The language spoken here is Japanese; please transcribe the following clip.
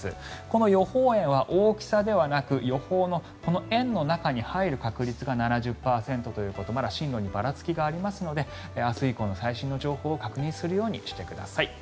この予報円は大きさではなく予報の円の中に入る確率が７０％ということまだ進路にばらつきがありますので明日以降の最新の情報を確認するようにしてください。